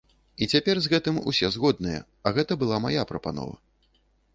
І цяпер з гэтым усе згодныя, а гэта была мая прапанова.